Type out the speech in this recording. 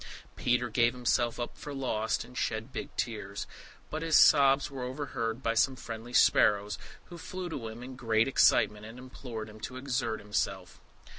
Peter gave himself up for lost, and shed big tears; but his sobs were overheard by some friendly sparrows, who flew to him in great excitement, and implored him to exert himself.